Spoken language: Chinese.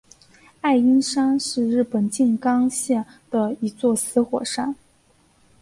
爱鹰山是日本静冈县的一座死火山。